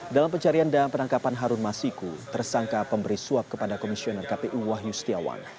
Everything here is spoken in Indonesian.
dalam pencarian dan penangkapan harun masiku tersangka pemberi suap kepada komisioner kpu wahyu setiawan